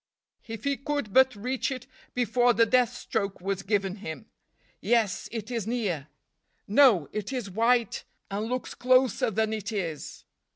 If he could but reach it before the death stroke was given him! Yes, it is near! No, it is white and looks closer than it is.